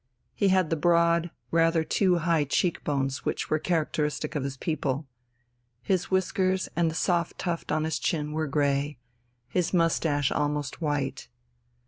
He had the broad, rather too high cheek bones which were a characteristic of his people. His whiskers and the soft tuft on his chin were grey, his moustache almost white.